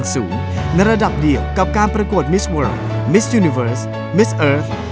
สนุนโดยสถาบันความงามโย